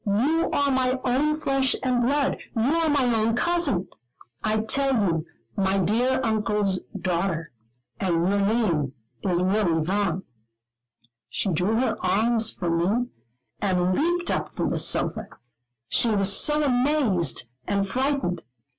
You are my own flesh and blood. You are my own cousin, I tell you, my dear Uncle's daughter; and your name is Lily Vaughan." She drew her arms from me, and leaped up from the sofa; she was so amazed and frightened.